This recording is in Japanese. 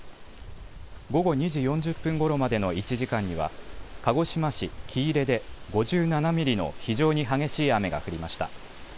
午後２時４０分ごろまでの１時間には、鹿児島市喜入で５７ミリの非常に激しい雨が降りました。